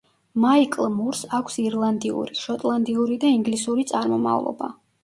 მაიკლ მურს აქვს ირლანდიური, შოტლანდიური და ინგლისური წარმომავლობა.